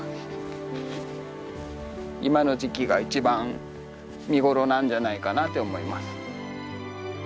今の時期が一番見頃なんじゃないかなって思います。